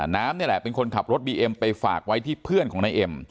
น้ำนี่แหละเป็นคนขับรถบีเอ็มไปฝากไว้ที่เพื่อนของนายเอ็ม